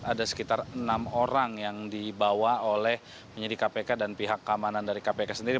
ada sekitar enam orang yang dibawa oleh penyidik kpk dan pihak keamanan dari kpk sendiri